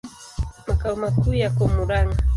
Makao makuu yako Murang'a.